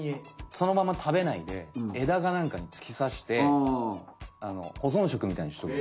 そのままたべないで枝かなんかにつき刺してほぞんしょくみたいにしとく。